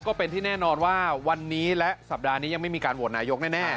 ก็เป็นที่แน่นอนว่าวันนี้และสัปดาห์นี้ยังไม่มีการโหวตนายกแน่